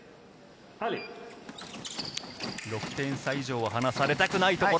６点差以上離されたくないところ。